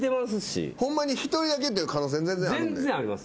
ホンマに１人だけっていう可能性全然あるんで。